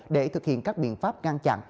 để thực hiện các biện pháp ngăn chặn